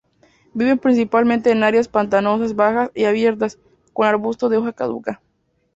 Viven principalmente en áreas pantanosas bajas y abiertas, con arbustos de hoja caduca.